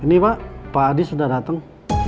ini pak pak adi sudah datang